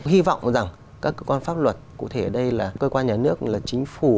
hy vọng rằng các cơ quan pháp luật cụ thể đây là cơ quan nhà nước chính phủ